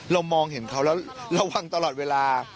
มองเห็นเขาแล้วระวังตลอดเวลา